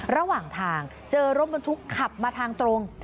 ระหว่างทางเจอรถบรรทุกขับมาทางตรง